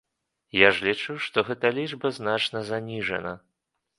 Я ж лічу, што гэта лічба значна заніжана.